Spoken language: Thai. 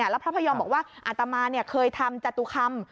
แล้วพระพยอมบอกว่าอัตมาเคยทำจตุคำ